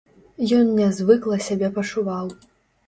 Ён нязвыкла сябе пачуваў.